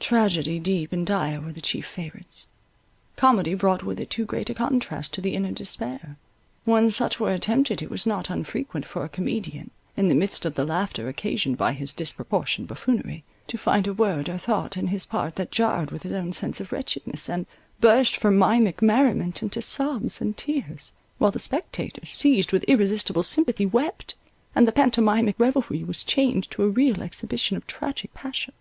Tragedies deep and dire were the chief favourites. Comedy brought with it too great a contrast to the inner despair: when such were attempted, it was not unfrequent for a comedian, in the midst of the laughter occasioned by his disporportioned buffoonery, to find a word or thought in his part that jarred with his own sense of wretchedness, and burst from mimic merriment into sobs and tears, while the spectators, seized with irresistible sympathy, wept, and the pantomimic revelry was changed to a real exhibition of tragic passion.